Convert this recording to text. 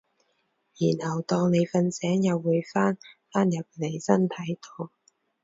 然後當你瞓醒又會返返入嚟身體度